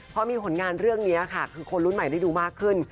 พอมีผลงานเรื่องนี้ค่ะคือคนรุ่นใหม่ได้ดูมากขึ้น